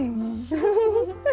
フフフフッ。